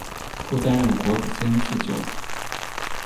后担任国子监祭酒。